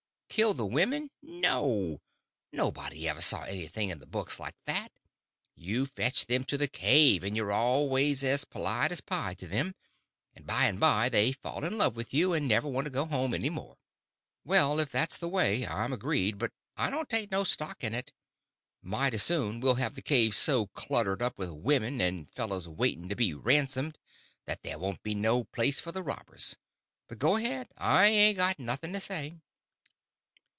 Kill the women? No; nobody ever saw anything in the books like that. You fetch them to the cave, and you're always as polite as pie to them; and by and by they fall in love with you, and never want to go home any more." "Well, if that's the way I'm agreed, but I don't take no stock in it. Mighty soon we'll have the cave so cluttered up with women, and fellows waiting to be ransomed, that there won't be no place for the robbers. But go ahead, I ain't got nothing to say."